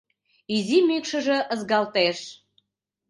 Изи мӱкшыжӧ ызгалтеш.